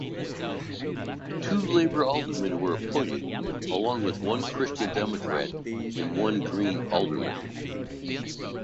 Two Labour aldermen were appointed, along with one Christian Democrat and one Green alderman.